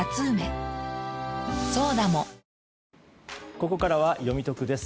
ここからはよみトクです。